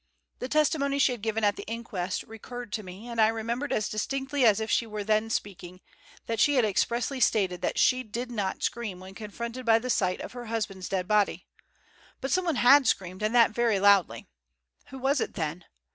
The testimony she had given at the inquest recurred to me, and I remembered as distinctly as if she were then speaking, that she had expressly stated that she did not scream when confronted by the sight of her husband's dead body. But someone had screamed and that very loudly. Who was it, then?